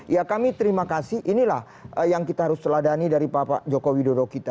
ya kami terima kasih inilah yang kita harus teladani dari pak joko widodo kita